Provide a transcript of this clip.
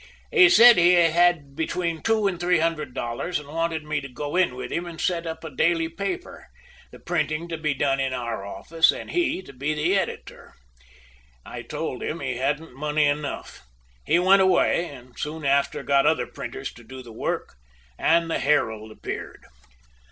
He said he had between two and three hundred dollars, and wanted me to go in with him and set up a daily paper, the printing to be done in our office, and he to be the editor. "I told him he hadn't money enough. He went away, and soon after got other printers to do the work and the 'Herald' appeared."